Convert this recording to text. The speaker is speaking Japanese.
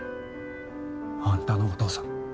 あんたのお父さん